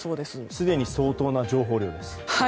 すでに相当な情報量です。